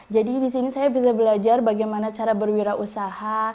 jadi disini saya bisa belajar bagaimana cara berwirausaha